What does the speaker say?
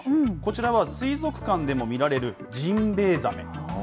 こちらは水族館でも見られるジンベイザメ。